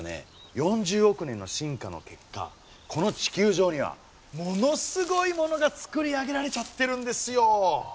４０億年の進化の結果この地球上にはものすごいものが作り上げられちゃってるんですよ。